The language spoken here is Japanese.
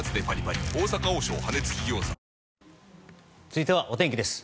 続いてはお天気です。